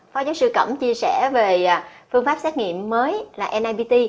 phó giáo sư cẩm chia sẻ về phương pháp xét nghiệm mới là npt